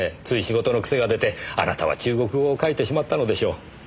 つい仕事の癖が出てあなたは中国語を書いてしまったのでしょう。